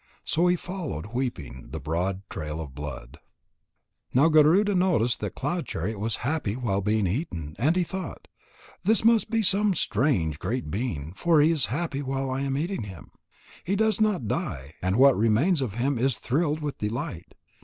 So he followed weeping the broad trail of blood. Now Garuda noticed that Cloud chariot was happy while being eaten, and he thought: "This must be some strange, great being, for he is happy while I am eating him. He does not die, and what remains of him is thrilled with delight.